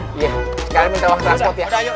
sekarang minta waktu transport ya